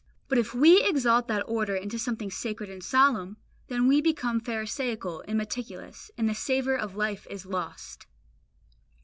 But if we exalt that order into something sacred and solemn, then we become pharisaical and meticulous, and the savour of life is lost.